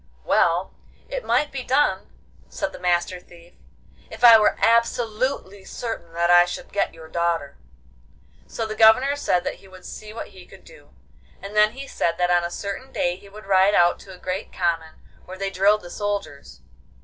'Well, it might be done,' said the Master Thief, 'if I were absolutely certain that I should get your daughter.' So the Governor said that he would see what he could do, and then he said that on a certain day he would ride out to a great common where they drilled the soldiers.